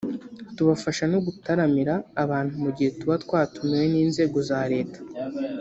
tubafasha no gutaramira abantu mu gihe tuba twatumiwe n’inzego za leta